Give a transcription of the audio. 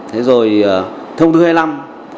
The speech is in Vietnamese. thì thông tin hai mươi năm